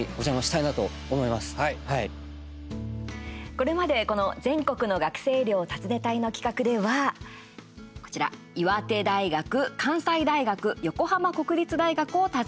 これまで、この全国の学生寮を訪ね隊の企画ではこちら、岩手大学、関西大学横浜国立大学を訪ねました。